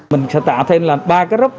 mình sẽ tạo thêm ba group